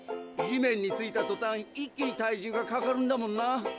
地面に着いたとたん一気に体重がかかるんだもんな。